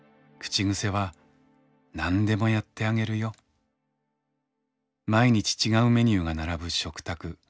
口癖は毎日違うメニューが並ぶ食卓。